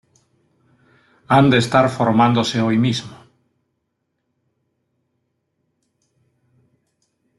Han de estar formándose hoy mismo.